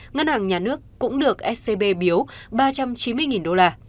ngân hàng nhà nước cũng được scb biếu ba trăm chín mươi đô la